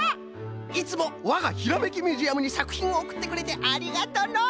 いつもわがひらめきミュージアムにさくひんをおくってくれてありがとうの！